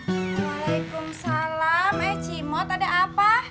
waalaikumsalam eh cimot ada apa